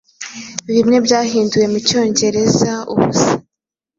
bimwe byahinduwe mucyongereza ubusa-